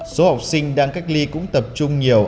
số học sinh đang cách ly cũng tập trung nhiều